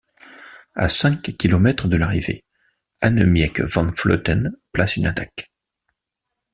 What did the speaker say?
À cinq kilomètres de l'arrivée, Annemiek van Vleuten place une attaque.